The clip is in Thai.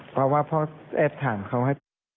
เพราะแอบเข้ายังไม่ถาม